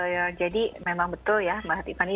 ya jadi memang betul ya mbak tiffany